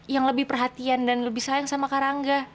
yang lebih perhatian dan lebih sayang sama karangga